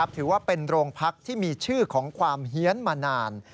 ถือว่าเป็นโรงพักที่มีชื่อของความเฮียนมานาน